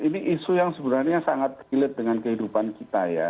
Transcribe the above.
ini isu yang sebenarnya sangat relate dengan kehidupan kita ya